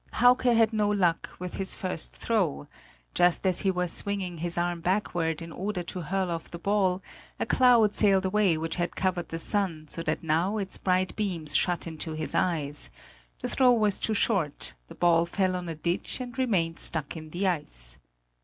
Hauke had no luck with his first throw: just as he was swinging his arm backward in order to hurl off the ball, a cloud sailed away which had covered the sun so that now its bright beams shot into his eyes; the throw was too short, the ball fell on a ditch and remained stuck in the ice.